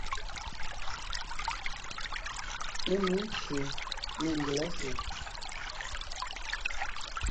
Mé nû ntse nê ngelásè.